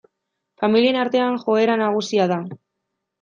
Familien artean joera nagusia da.